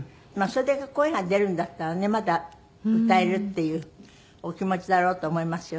それだけ声が出るんだったらねまだ歌えるっていうお気持ちだろうと思いますよね。